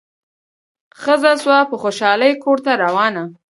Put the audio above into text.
ښځه سوه په خوشالي کورته روانه